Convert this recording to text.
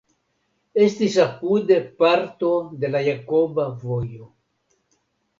Estis apude parto de la Jakoba Vojo.